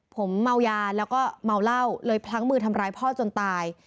ผมเมายาแล้วก็เมาเหล้าเลยพลั้งมือทำร้ายพ่อจนตาย